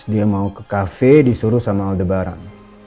dia mau ke kafe disuruh sama aldebaran